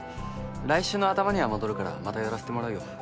来週の頭には戻るからまた寄らせてもらうよ。